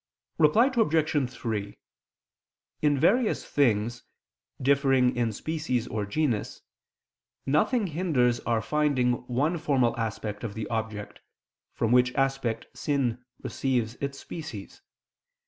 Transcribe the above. Reply Obj. 3: In various things, differing in species or genus, nothing hinders our finding one formal aspect of the object, from which aspect sin receives its species.